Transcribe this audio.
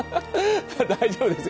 大丈夫です？